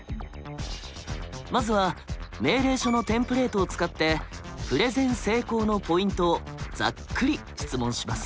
まずは命令書のテンプレートを使って「プレゼン成功のポイント」をざっくり質問します。